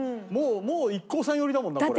もうＩＫＫＯさん寄りだもんなこれ。